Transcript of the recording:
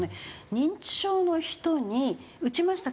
認知症の人に「打ちましたか？」